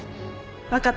分かった。